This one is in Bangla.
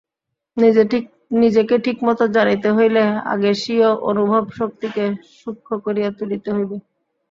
নিজেকে ঠিকমত জানিতে হইলে আগে স্বীয় অনুভবশক্তিকে সূক্ষ্ম করিয়া তুলিতে হইবে।